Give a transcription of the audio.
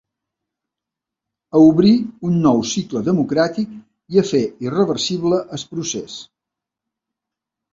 A obrir un nou cicle democràtic i a fer irreversible el procés.